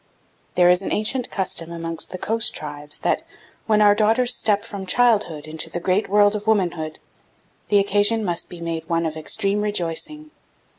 There is an ancient custom amongst the coast tribes that, when our daughters step from childhood into the great world of womanhood, the occasion must be made one of extreme rejoicing.